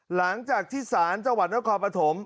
หลังจากที่ศาลจังหวัดนครปฐม